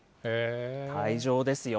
会場ですよ。